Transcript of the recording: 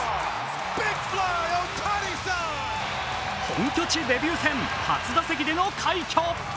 本拠地デビュー戦初打席での快挙。